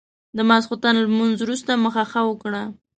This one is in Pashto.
د ماسخوتن لمونځ وروسته مخه ښه وکړه.